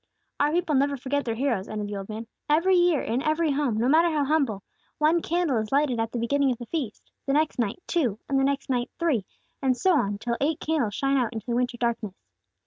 "Our people never forget their heroes," ended the old man. "Every year, in every home, no matter how humble, one candle is lighted at the beginning of the feast; the next night, two, and the next night, three, and so on, till eight candles shine out into the winter darkness.